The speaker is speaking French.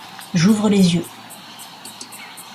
J’ouvre les yeux.